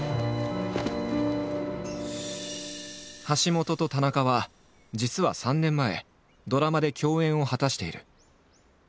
橋本と田中は実は３年前ドラマで共演を果たしている。